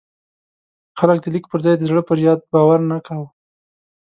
خلک د لیک پر ځای د زړه پر یاد باور نه کاوه.